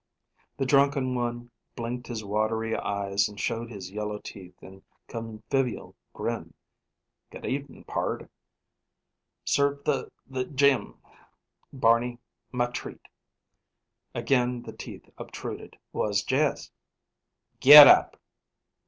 The drunken one blinked his watery eyes and showed his yellow teeth in a convivial grin. "G'd evnin', pard.... Serve th' th' gem'n, Barney; m' treat." Again the teeth obtruded. "Was jes' " "Get up!"